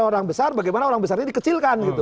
nah orang besar bagaimana orang besar ini dikecilkan